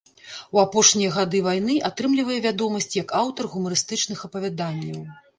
У апошнія гады вайны атрымлівае вядомасць як аўтар гумарыстычных апавяданняў.